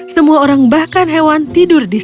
semua orang bahkan hewan tidur disitu